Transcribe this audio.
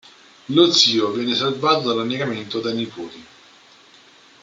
Lo zio viene salvato dall'annegamento dai nipoti.